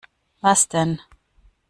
Was denn?